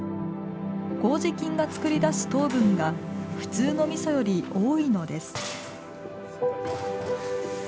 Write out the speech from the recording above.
こうじ菌が作り出す糖分が普通のみそより多いのです。